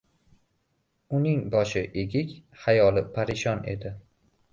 Uning boshi egik, xayoli parishon edi.